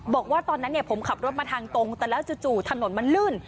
บอกว่าตอนนั้นเนี่ยผมขับรถมาทางตรงแต่แล้วจู่ถนนมันลื่น